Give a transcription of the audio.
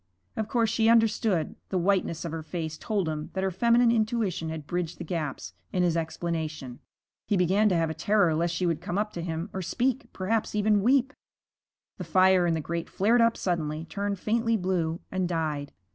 Of course she understood; the whiteness of her face told him that her feminine intuition had bridged the gaps in his explanation. He began to have a terror lest she would come up to him, or speak perhaps even weep. The fire in the grate flared up suddenly, turned faintly blue, and died.